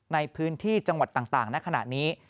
ในพื้นที่จังหวัดต่างณขณะนี้